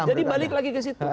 jadi balik lagi ke situ